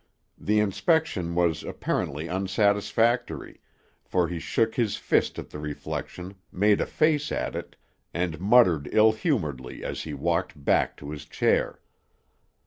The inspection was apparently unsatisfactory, for he shook his fist at the reflection, made a face at it, and muttered ill humoredly as he walked back to his chair.